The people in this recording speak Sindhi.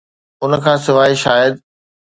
ان کان سواء، شايد